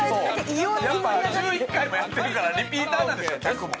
やっぱ１１回もやってるからリピーターなんでしょ客も。